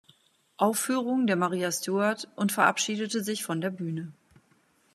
Aufführung der Maria Stuart und verabschiedete sich von der Bühne.